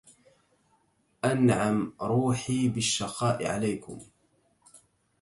أنعم روحي بالشقاء عليكم